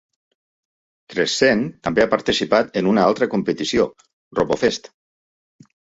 Crescent també ha participat en una altra competició, RoboFest.